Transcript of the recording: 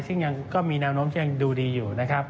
ซึ่งยังก็มีแนวโน้มที่ยังดูดีอยู่นะครับ